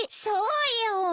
そうよ。